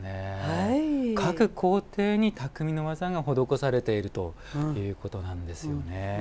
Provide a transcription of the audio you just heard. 各工程に巧みの技が施されているということなんですよね。